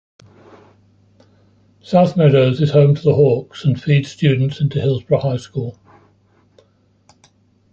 South Meadows is home to the Hawks and feeds students into Hillsboro High School.